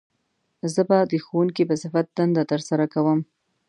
زه به د ښوونکي په صفت دنده تر سره کووم